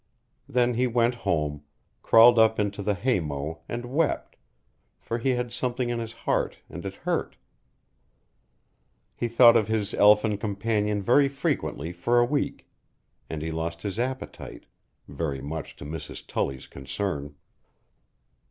Then he went home, crawled up into the haymow and wept, for he had something in his heart and it hurt. He thought of his elfin companion very frequently for a week, and he lost his appetite, very much to Mrs. Tully's concern.